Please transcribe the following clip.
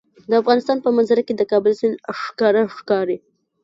د افغانستان په منظره کې د کابل سیند ښکاره ښکاري.